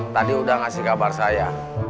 tadi udah ngasih kabar saya